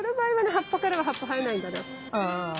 葉っぱからは葉っぱ生えないんだな。